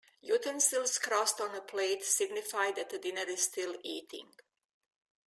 Utensils crossed on a plate signify that a diner is still eating.